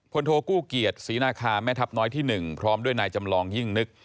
โทกู้เกียรติศรีนาคาแม่ทัพน้อยที่๑พร้อมด้วยนายจำลองยิ่งนึก